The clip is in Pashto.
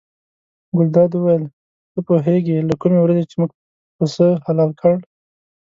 ګلداد وویل ته پوهېږې له کومې ورځې چې موږ پسه حلال کړ.